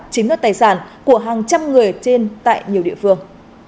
chiếm đất tài sản của hàng trăm người trên tại nhiều địa phương